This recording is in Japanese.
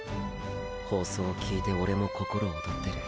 放送をきいてオレも心躍ってる。